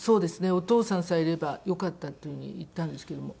「お父さんさえいればよかった」っていう風に言ったんですけども。